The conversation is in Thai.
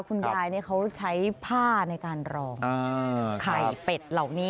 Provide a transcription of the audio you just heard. คุณยายเขาใช้ผ้าในการรองไข่เป็ดเหล่านี้